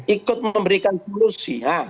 ikut memberikan solusi